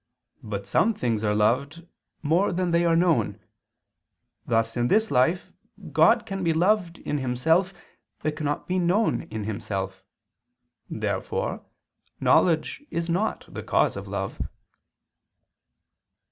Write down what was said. But some things are loved more than they are known: thus in this life God can be loved in Himself, but cannot be known in Himself. Therefore knowledge is not the cause of love.